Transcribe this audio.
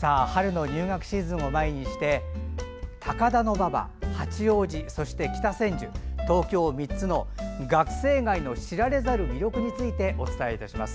春の入学シーズンを前にして高田馬場、八王子そして北千住、東京３つの学生街の知られざる魅力についてお伝えします。